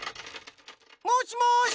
もしもし！